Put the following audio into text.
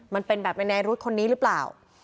มันเป็นแบบนายรุธคนนี้หรือเปล่า